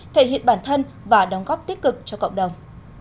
thể hiện bản thân và đóng góp tích cực cho cộng đồng